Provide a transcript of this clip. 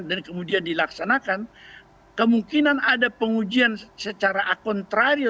dan kemudian dilaksanakan kemungkinan ada pengujian secara akuntrail